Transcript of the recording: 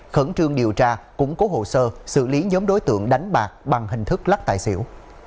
khẩn trương điều tra củng cố hồ sơ xử lý nhóm đối tượng đánh bạc bằng hình thức lắc tài xỉu